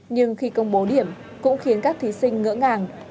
nhưng khi công bố điểm cũng khiến các thí sinh ngỡ ngàng